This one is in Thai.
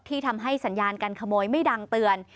ทำให้สัญญาการขโมยไม่ดังเตือน